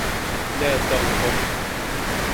لَا تَغْضَبْ